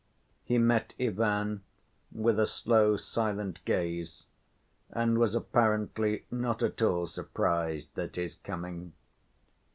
He met Ivan with a slow silent gaze, and was apparently not at all surprised at his coming.